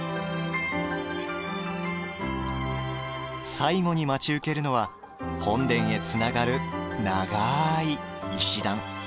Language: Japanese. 最後に待ち受けるのは本殿へつながる長い石段。